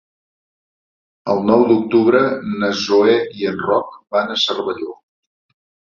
El nou d'octubre na Zoè i en Roc van a Cervelló.